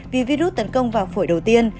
vì virus tấn công vào phổi đầu tiên